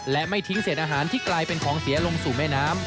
และไม่ทิ้งเศษอาหารที่กลายเป็นของเสียลงสู่แม่น้ำ